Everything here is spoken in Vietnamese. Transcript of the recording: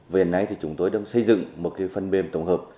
với hiện nay thì chúng tôi đang xây dựng một cái phân mềm tổng hợp